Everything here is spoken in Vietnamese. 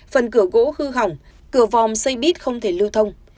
phần cửa gỗ hư hỏng cửa vòm xây bít không thể lưu thông